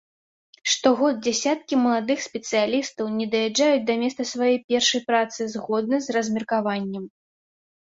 Штогод дзесяткі маладых спецыялістаў не даязджаюць да месца сваёй першай працы згодна з размеркаваннем.